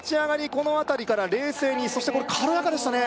この辺りから冷静にそしてこれ軽やかでしたね